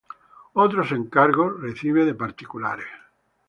Otros encargos recibe de particulares.